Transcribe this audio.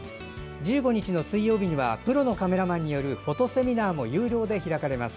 １５日の水曜日にはプロのカメラマンによるフォトセミナーも有料で開かれます。